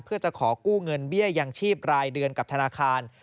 เพื่อจะขอกู้เงินเบี้ยยังชีพรายเดือนกับธนาคาร